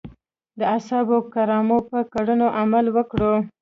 د اصحابو کرامو په کړنو عمل وکړو.